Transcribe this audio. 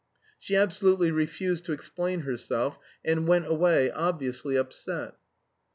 She absolutely refused to explain herself, and went away, obviously upset.